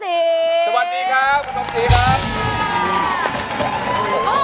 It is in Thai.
โทษให้โทษให้โทษให้